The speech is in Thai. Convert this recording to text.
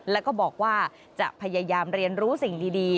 แล้วก็บอกว่าจะพยายามเรียนรู้สิ่งดี